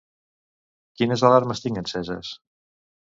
Quines alarmes tinc enceses?